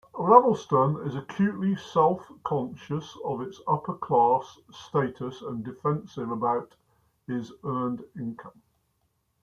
Ravelston is acutely self-conscious of his upper-class status and defensive about his unearned income.